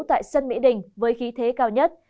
tại sân mỹ đình với khí thế cao nhất